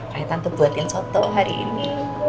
kayak tante buatin soto hari ini